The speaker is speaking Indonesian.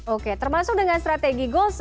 oke termasuk dengan strategi goals